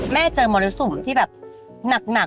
เจอมรสุมที่แบบหนัก